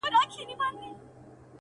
خپل خر تړلی ښه دئ، که څه هم غل اشنا وي.